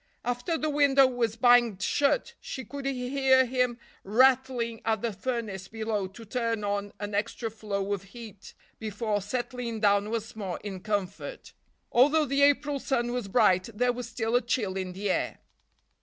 After the window was banged shut she could hear him rattling at the furnace below to turn on an extra flow of heat before settling down once more in comfort. Although the April sun was bright, there was still a chill in the air.